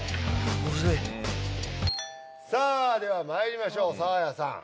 いさあではまいりましょうサーヤさん